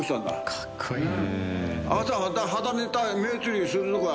かっこいいな。